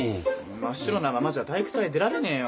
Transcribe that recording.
真っ白なままじゃ体育祭に出られねえよ。